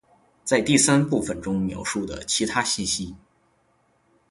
·在第三部分中描述的其他信息。